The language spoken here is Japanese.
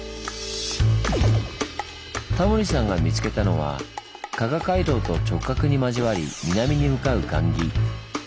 タモリさんが見つけたのは加賀街道と直角に交わり南に向かう雁木。